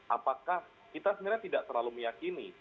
apakah kita sebenarnya tidak terlalu meyakini